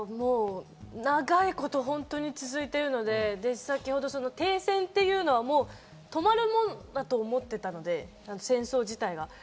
長いこと本当に続いているので、先程、停戦というのはもう止まるものだと思っていたので、戦争自体が。